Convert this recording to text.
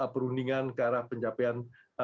perundingan ke arah pencapaian